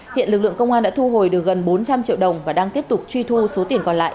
hiện lực lượng công an đã thu hồi được gần bốn trăm linh triệu đồng và đang tiếp tục truy thu số tiền còn lại